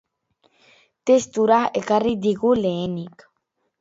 Testura ekarri digu lehenik.